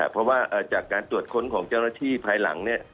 เพราะว่าจากการตรวจค้นของเจ้าหน้าที่ภายหลังเนี่ย